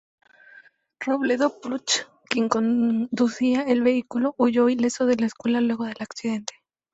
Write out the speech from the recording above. Robledo Puch, quien conducía el vehículo, huyó ileso de la escena luego del accidente.